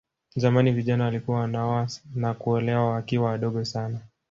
Zamani vijana walikuwa wanaoa na kuolewa wakiwa wadogo sana